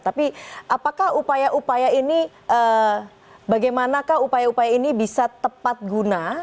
tapi apakah upaya upaya ini bagaimanakah upaya upaya ini bisa tepat guna